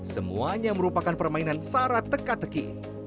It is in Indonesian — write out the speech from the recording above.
semuanya merupakan permainan syarat teka teki